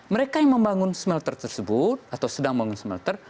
mereka yang membangun smelter tersebut atau sedang membangun smelter